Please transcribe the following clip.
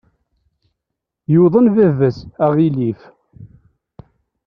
Yuḍen baba-s aɣilif.